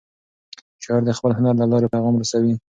شاعر د خپل هنر له لارې پیغام رسوي.